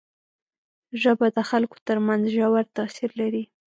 ژبه د خلکو تر منځ ژور تاثیر لري